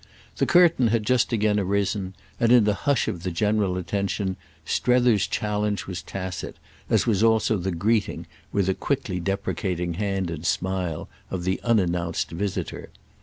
The curtain had just again arisen, and, in the hush of the general attention, Strether's challenge was tacit, as was also the greeting, with a quickly deprecating hand and smile, of the unannounced visitor.